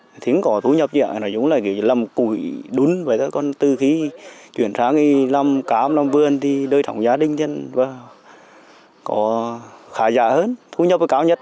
làm củi đúng với các con tư khí chuyển tháng đi làm cám làm vườn thì đôi trọng gia đình dân có khả giả hơn thu nhập cao nhất